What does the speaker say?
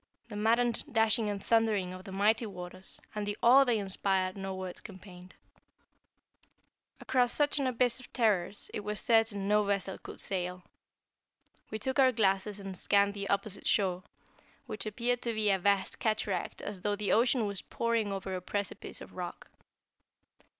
The maddened dashing and thundering of the mighty waters, and the awe they inspired no words can paint. Across such an abyss of terrors it was certain no vessel could sail. We took our glasses and scanned the opposite shore, which appeared to be a vast cataract as though the ocean was pouring over a precipice of rock.